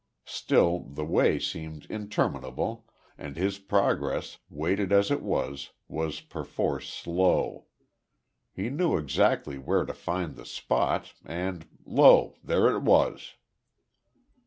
Still the way seemed interminable, and his progress, weighted as it was, was perforce slow. He knew exactly where to find the spot, and, lo there it was.